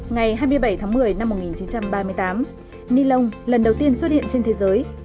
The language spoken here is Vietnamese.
ngày hai mươi bảy tháng một mươi năm một nghìn chín trăm ba mươi tám ni lông lần đầu tiên xuất hiện trên thế giới